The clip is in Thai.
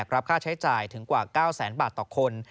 รับค่าใช้จ่ายถึงกว่า๙แสนบาทต่อคน